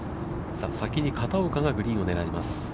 先に片岡がグリーンをねらいます。